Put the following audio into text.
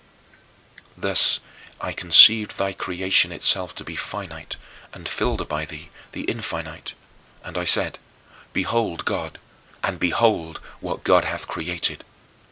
Thus I conceived thy creation itself to be finite, and filled by thee, the infinite. And I said, "Behold God, and behold what God hath created!"